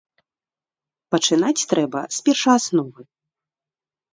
Пачынаць трэба з першаасновы.